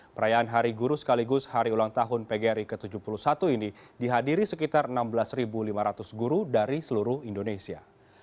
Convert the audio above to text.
perayaan hari guru sekaligus hari ulang tahun pgri ke tujuh puluh satu ini dihadiri sekitar enam belas lima ratus guru dari seluruh indonesia